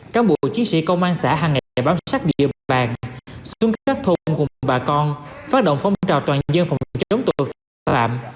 cán bộ chiến sĩ công an xã hàng ngày bám sát địa bàn xuống các thôn cùng bà con phát động phong trào toàn dân phòng chống tội phạm